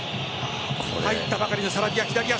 入ったばかりのサラビア左足。